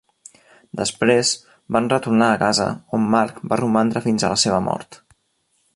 Després van retornar a Gaza on Marc va romandre fins a la seva mort.